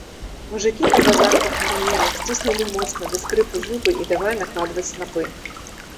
Мужыкі пры вазах пахмурнелі, сціснулі моцна, да скрыпу, зубы і давай накладваць снапы.